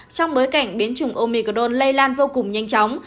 trong bối cảnh biến chủng omicol lây lan vô cùng nhanh chóng